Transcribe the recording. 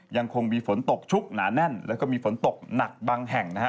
ยังคงมีฝนตกชุกหนาแน่นแล้วก็มีฝนตกหนักบางแห่งนะฮะ